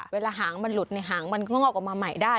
เวลาหางมันหลุดในหางมันก็งอกออกมาใหม่ได้